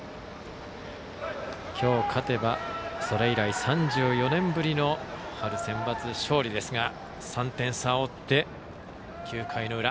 今日、勝てばそれ以来３４年ぶりの春センバツ勝利ですが３点差を追って、９回裏。